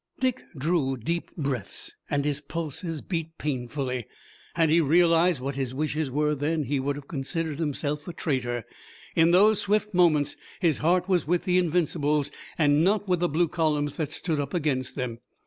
Dick drew deep breaths and his pulses beat painfully. Had he realized what his wishes were then he would have considered himself a traitor. In those swift moments his heart was with the Invincibles and not with the blue columns that stood up against them.